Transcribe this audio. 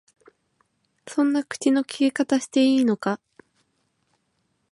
そんな口の利き方していいのか？